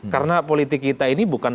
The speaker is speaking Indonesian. karena politik kita ini bukan